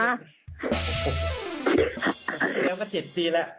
เจ็ดตีแล้วก็เจ็ดตีแหละ